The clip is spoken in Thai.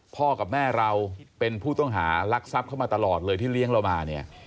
กับแม่เราเป็นผู้ต้องหารักทรัพย์เข้ามาตลอดเลยที่เลี้ยงเรามาเนี่ย